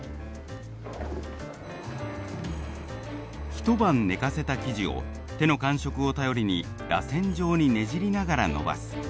一晩寝かせた生地を手の感触を頼りにらせん状にねじりながら延ばす。